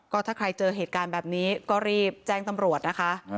ก็ถ้าใครเจอเหตุการณ์แบบนี้ก็รีบแจ้งตำรวจนะคะ